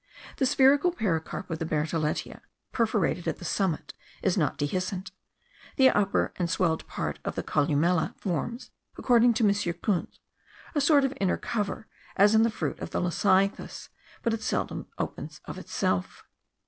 The spherical pericarp of the bertholletia, perforated at the summit, is not dehiscent; the upper and swelled part of the columella forms (according to M. Kunth) a sort of inner cover, as in the fruit of the lecythis, but it seldom opens of itself.